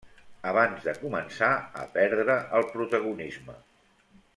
Abans de començar a perdre el protagonisme.